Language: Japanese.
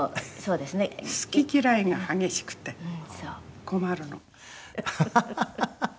「好き嫌いが激しくて困るの」ハハハハ。